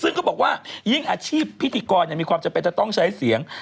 ซึ่งก็บอกว่ายิ่งอาชีพพิธีกรมีความจำเป็นจะต้องใช้เสียง